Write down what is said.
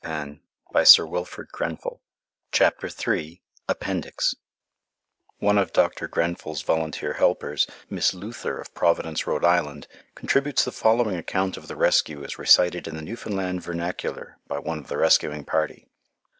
|||| WILFRED GRENFELL, || ST. ANTHONY. |||++APPENDIX One of Dr. Grenfell's volunteer helpers, Miss Luther of Providence, R.I., contributes the following account of the rescue as recited in the Newfoundland vernacular by one of the rescuing party.